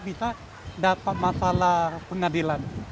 bisa dapat masalah pengadilan